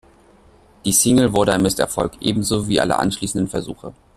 Die Single wurde ein Misserfolg, ebenso wie alle anschließenden Versuche.